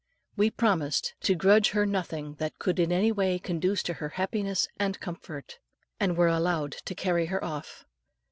We promised to grudge her nothing that could in any way conduce to her happiness and comfort, and were allowed to carry her off.